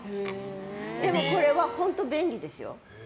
これは本当便利ですよ。